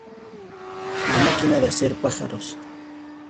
La Máquina de Hacer Pájaros